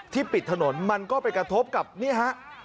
ปิดถนนมันก็ไปกระทบกับนี่ฮะ